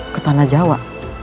ke tanah jawa